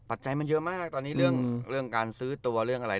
ปัจจัยมันเยอะมากตอนนี้เรื่องการซื้อตัวเรื่องอะไร